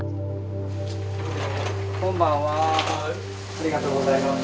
ありがとうございます。